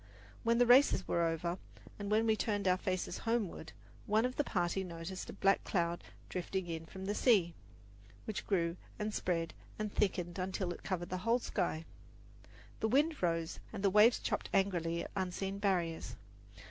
When the races were over, and we turned our faces homeward, one of the party noticed a black cloud drifting in from the sea, which grew and spread and thickened until it covered the whole sky. The wind rose, and the waves chopped angrily at unseen barriers.